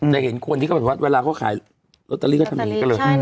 แต่เห็นคู่อันนี้ก็แบบว่าเวลาเขาขายโรตารีก็ทำแบบนี้ก็เลย